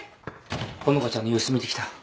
ほのかちゃんの様子を見てきた。